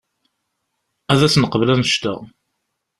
Ad as-neqbel annect-a.